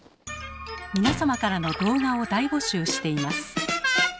皆様からの動画を大募集しています。